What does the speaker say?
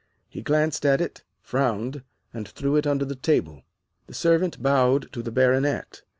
He glanced at it, frowned, and threw it under the table. The servant bowed to the Baronet.